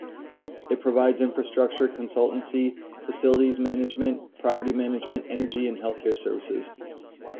It provides infrastructure consultancy, facilities management, property management, energy and healthcare services.